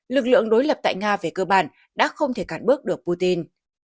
lực lượng đối lập tại nga về cơ bản đã không thể cản bước được putin